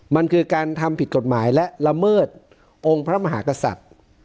มันคือการทำผิดกฎหมายและละเมิดองค์พระมหากษัตริย์